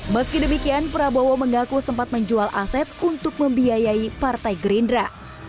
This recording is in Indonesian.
meski demikian prabowo mengaku sempat menjual aset untuk membiayai partai gerindra